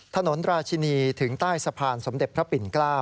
ถนนราชินีถึงใต้สะพานสมเด็จพระปิ่นเกล้า